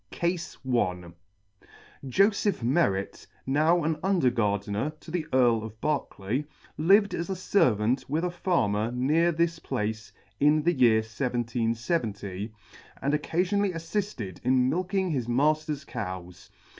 CASE i 9 1 CASE I. JOSEPH MERRET, now an Under Gardener to the Earl of Berkeley, lived as a Servant with a Farmer near this place in the year 1770, and occafionally affifted in milking his matter's cows.